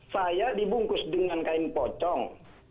saya dibungkus dengan kain pocong